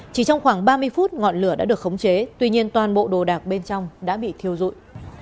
chỉ trong khoảng ba mươi phút ngọn lửa đã được khống chế tuy nhiên toàn bộ đồ đạc bên trong đã bị thiêu dụi